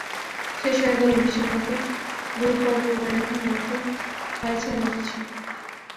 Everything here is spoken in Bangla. শেষ হয়ে গেল বিশ্বকাপের গ্রুপ পর্ব, মনে রাখার মতো হয়েছে অনেক কিছুই।